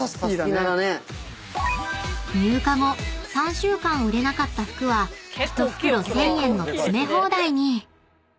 ［入荷後３週間売れなかった服は１袋１，０００円の詰め放題に］